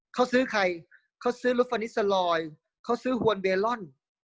เค้าซื้อใครเค้าซื้อลูฟานิสเซอรอยด์เค้าซื้อฮวันเบรรอนด์